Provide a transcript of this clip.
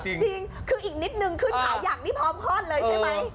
จริงคืออีกนิดนึงขึ้นหลายอย่างนี่พร้อมห้อนเลยใช่ไหม